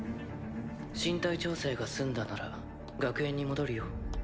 身体調整が済んだなら学園に戻るよ。